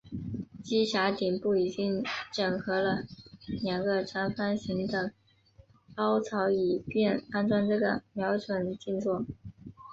机匣顶部已经整合了两个长方形的凹槽以便安装这个瞄准镜座。